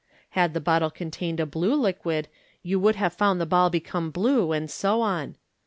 Had the bottle contained a blue liquid, you would have found the ball become blue, and so on.